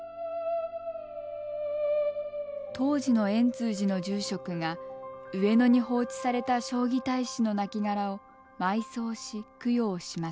当時の円通寺の住職が上野に放置された彰義隊士の亡骸を埋葬し供養しました。